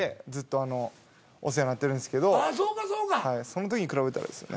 その時に比べたらですよね。